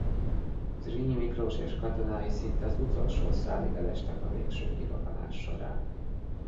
Zrínyi Miklós és katonái szinte az utolsó szálig elestek a végső kirohanás során.